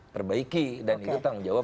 perbaiki dan itu tanggung jawab